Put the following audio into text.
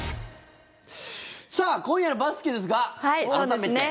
さあ、今夜のバスケですが改めて。